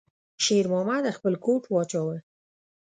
شېرمحمد خپل کوټ واچاوه.